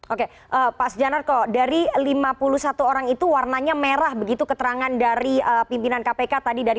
oke pak sujanarko dari lima puluh satu orang itu warnanya merah begitu keterangan dari pimpinan kpk tadi dari